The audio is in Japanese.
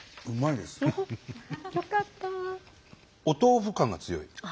お豆腐感が強い。